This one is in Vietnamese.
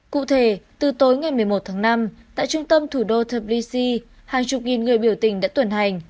cụ thể từ tối ngày một mươi một tháng năm tại trung tâm thủ đô tebsi hàng chục nghìn người biểu tình đã tuần hành